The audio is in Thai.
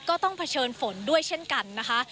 ต้องเผชิญฝนด้วยเช่นกันนะคะ